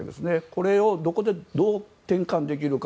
これをどこでどう転換できるか。